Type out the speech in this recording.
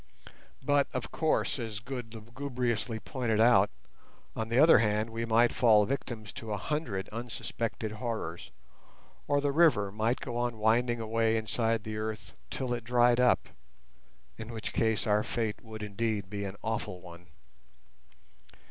But, of course, as Good lugubriously pointed out, on the other hand we might fall victims to a hundred unsuspected horrors—or the river might go on winding away inside the earth till it dried up, in which case our fate would indeed be an awful one.